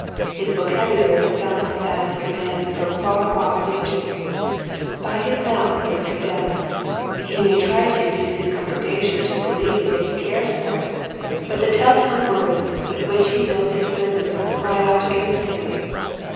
His vocabulary will sound like that of a man from far off re gions. By his mouth he is condemned. He may try to induce his congregation to believe that he cares for it but the telltale Near to Men Near to God. 197 words with which he builds his sermons will cry out against him.